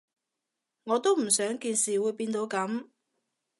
我都唔想件事會變到噉